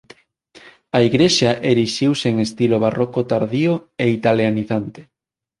A igrexa erixiuse en estilo barroco tardío e italianizante.